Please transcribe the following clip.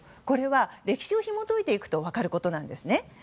これは、歴史をひも解いていくと分かることなんです。